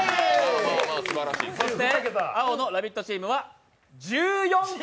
そして青の「ラヴィット！」チームは１４個！